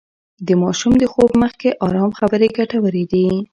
د ماشوم د خوب مخکې ارام خبرې ګټورې دي.